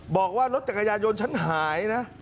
บอกว่ารถจักรยายนฉันหายนะ